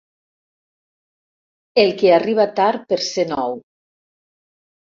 El que arriba tard per ser nou.